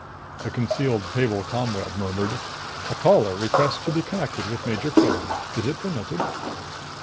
The concealed table ComWeb murmured, "A caller requests to be connected with Major Quillan. Is it permitted?"